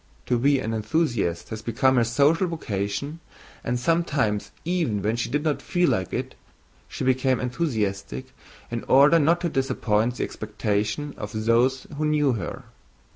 To be an enthusiast had become her social vocation and, sometimes even when she did not feel like it, she became enthusiastic in order not to disappoint the expectations of those who knew her.